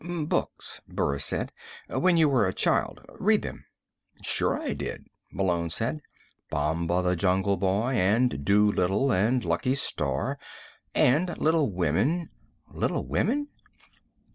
"Books," Burris said. "When you were a child. Read them." "Sure I did," Malone said. "'Bomba the Jungle Boy,' and 'Doolittle,' and 'Lucky Starr,' and 'Little Women' " "'Little Women'?"